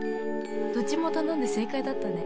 どっちも頼んで正解だったね。